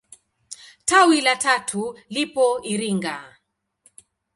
Tawi la tatu lipo Iringa.